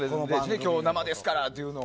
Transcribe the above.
今日、生ですからっていうのを。